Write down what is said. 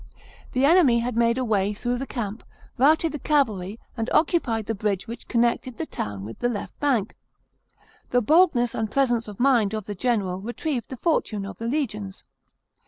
The enemy had made a way through the camp, routed the cavalry, and occupied the bridge which connected the town with the left bank. The boldness and presence of mind of the general retrieved the fortune of the legions.